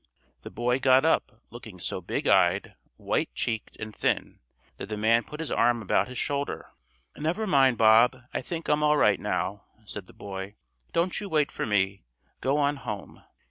The boy got up looking so big eyed, white cheeked and thin that the man put his arm about his shoulder. "Never mind, Bob, I think I'm all right now," said the boy. "Don't you wait for me, go on home."